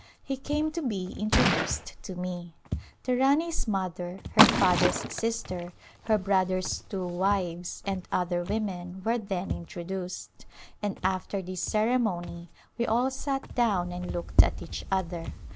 He came to be introduced to me. The Rani's mother, her father's sister, her brother's two wives and other women were then introduced, and after this ceremony we all sat down and looked at each other.